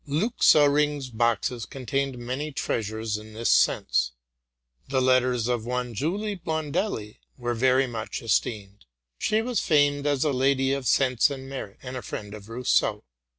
Leuchsenring's boxes contained many treasures in this sense. 'The letters of one Julie Bondelli were very much es teemed: she was famed as a lady of sense and merit, and a friend of Rousseau.